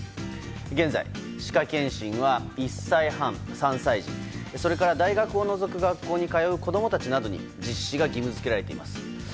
現在、歯科検診は１歳半、３歳児それから大学を除く学校に通う子供たちなどに実施が義務付けられています。